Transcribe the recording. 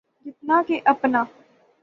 جتنا کہ اپنا۔